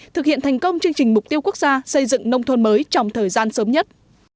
thực hiện thành công chương trình mục tiêu quốc gia xây dựng nông thôn mới trong thời gian sớm nhất